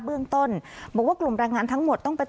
เบื้องต้น